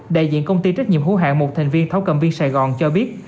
đại diện công ty trách nhiệm hữu hạng một thành viên thấu cầm viên sài gòn cho biết